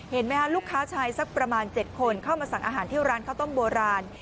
เห็นไหมคะลูกค้าชายสักประมาณ๗คนเข้ามาสั่งอาหารที่ร้านข้าวต้มโบราณ